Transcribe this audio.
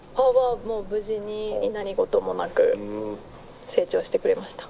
もう無事に何事もなく成長してくれました。